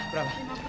gila ya pak pak pak